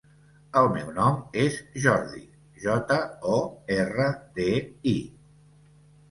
El meu nom és Jordi: jota, o, erra, de, i.